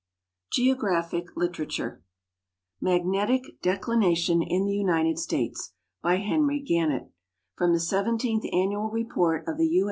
GEOGRAPHIC LITERATURE Magnetic Declination in the United States. By Henry Gannett. From the Seventeenth Annual Report of the U.